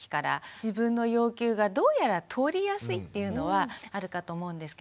自分の要求がどうやら通りやすいというのはあるかと思うんですけれども。